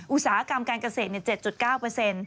อุตสาหกรรมการเกษตร๗๙